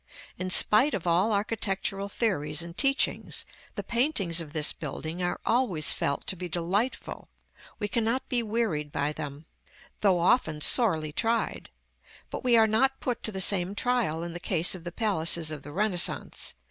In spite of all architectural theories and teachings, the paintings of this building are always felt to be delightful; we cannot be wearied by them, though often sorely tried; but we are not put to the same trial in the case of the palaces of the Renaissance.